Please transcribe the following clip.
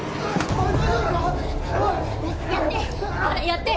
やって！